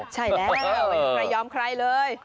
ใช่แล้วไม่ยอมใครเลย